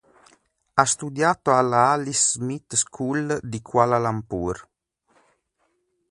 Ha studiato alla Alice Smith School di Kuala Lumpur.